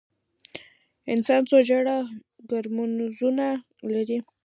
انسان څو جوړه کروموزومونه لري؟